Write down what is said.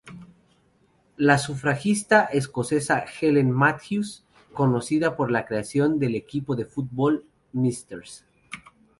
La sufragista escocesa Helen Matthews, conocida por la creación del equipo de futbol “Mrs.